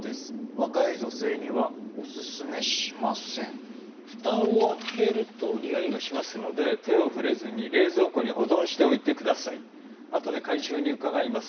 「若い女性にはお勧めしません」「蓋を開けると匂いがしますので手を触れずに冷蔵庫に保存しておいてください」「後で回収に伺います。